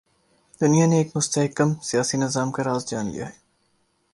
دنیا نے ایک مستحکم سیاسی نظام کا راز جان لیا ہے۔